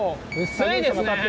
薄いですねえ！